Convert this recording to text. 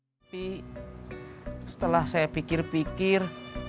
tapi setelah saya pikir pikir